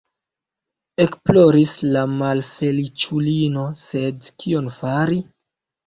Ekploris la malfeliĉulino, sed kion fari?